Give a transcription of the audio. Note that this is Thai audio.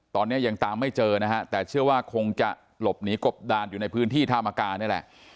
ตอนนี้ยังตามไม่เจอนะฮะแต่เชื่อว่าคงจะหลบหนีกบดานอยู่ในพื้นที่ธามกานี่แหละ